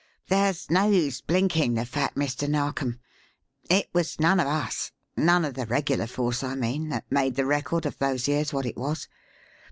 "There's no use blinking the fact, Mr. Narkom; it was none of us none of the regular force, I mean that made the record of those years what it was.